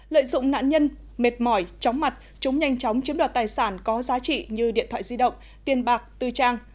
lợi dụng nạn nhân mệt mỏi chóng mặt chúng nhanh chóng chiếm đoạt tài sản có giá trị như điện thoại di động tiền bạc tư trang